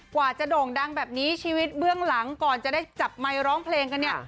กว่าจะโด่งดังแบบนี้ชีวิตเบื้องหลังก่อนจะได้จับไมค์ร้องเพลงกันเนี่ย